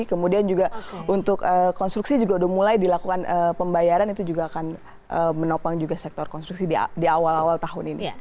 kemudian juga untuk konstruksi juga sudah mulai dilakukan pembayaran itu juga akan menopang juga sektor konstruksi di awal awal tahun ini